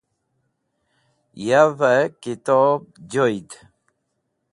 Yave Kitob Joyd